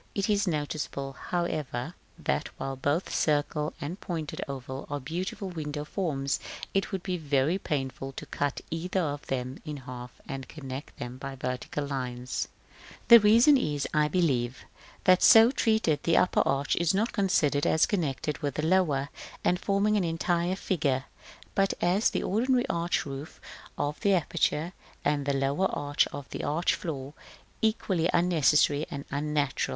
It is noticeable, however, that while both the circle and pointed oval are beautiful window forms, it would be very painful to cut either of them in half and connect them by vertical lines, as in Fig. XLIV. The reason is, I believe, that so treated, the upper arch is not considered as connected with the lower, and forming an entire figure, but as the ordinary arch roof of the aperture, and the lower arch as an arch floor, equally unnecessary and unnatural.